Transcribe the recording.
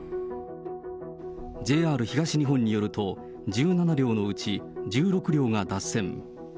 ＪＲ東日本によると、１７両のうち１６両が脱線。